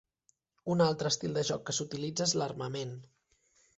Un altre estil de joc que s'utilitza és l'armament.